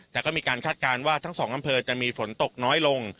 แต่ก็มีการคาดการณ์ว่าทั้งสองอำเภอจะมีฝนตกน้อยลง